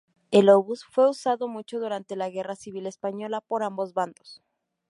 El obús fue usado mucho durante la Guerra Civil española por ambos bandos.